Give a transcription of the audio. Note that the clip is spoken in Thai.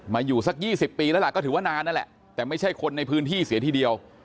อยู่สัก๒๐ปีแล้วล่ะก็ถือว่านานนั่นแหละแต่ไม่ใช่คนในพื้นที่เสียทีเดียว